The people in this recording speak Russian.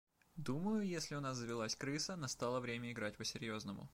Думаю, если у нас завелась крыса, настало время играть по-серьезному.